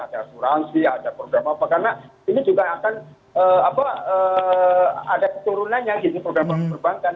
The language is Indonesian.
ada asuransi ada program apa karena ini juga akan ada keturunannya gitu produk produk perbankan